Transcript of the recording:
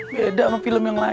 beda sama film yang lain